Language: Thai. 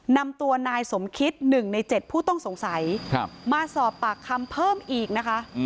นำตัวนายสมคิด๑ใน๗ผู้ต้องสงสัยมาสอบปากคำเพิ่มอีกนะคะ